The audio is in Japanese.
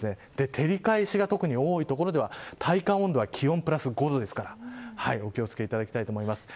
照り返しが特に多い所では体感温度は気温プラス５度ですから、お気を付けいただきたいと思います。